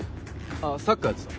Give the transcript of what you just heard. あっサッカーやってた。